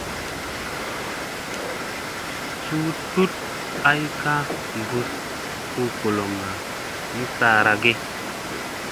Suu tuɗ ay kaa bussa hu goloŋga ni saara ge ?